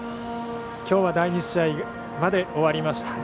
今日は第２試合まで終わりました。